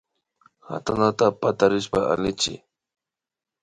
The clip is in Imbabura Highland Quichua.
Katana patarishpa allchi